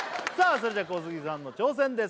それでは小杉さんの挑戦です